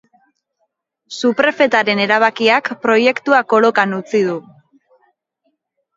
Suprefetaren erabakiak proiektua kolokan utzi du.